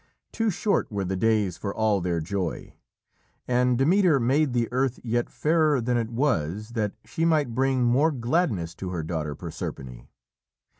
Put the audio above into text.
Too short were the days for all their joy, and Demeter made the earth yet fairer than it was that she might bring more gladness to her daughter Proserpine.